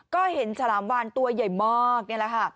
ก็เห็นฉลามวานตัวใหญ่มากนี่แหละค่ะ